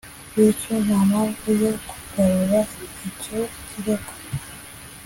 bityo nta mpamvu yo kugarura icyo kirego